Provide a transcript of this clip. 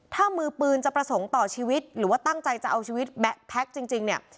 ถ้ามือปืนจะประสงค์ต่อชีวิตหรือว่าตั้งใจจะเอาชีวิตแพ็คจริงเนี่ย